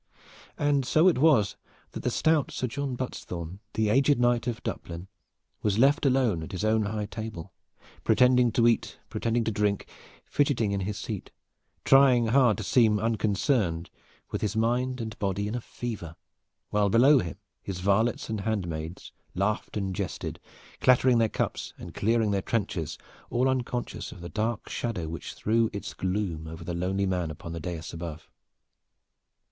And so it was that stout Sir John Buttesthorn, the aged Knight of Duplin, was left alone at his own high table, pretending to eat, pretending to drink, fidgeting in his seat, trying hard to seem unconcerned with his mind and body in a fever, while below him his varlets and handmaids laughed and jested, clattering their cups and clearing their trenchers, all unconscious of the dark shadow which threw its gloom over the lonely man upon the dais above.